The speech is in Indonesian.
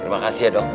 terima kasih ya dok